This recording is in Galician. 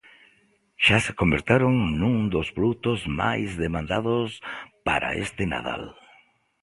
Xa se converteron nun dos produtos máis demandados para este Nadal.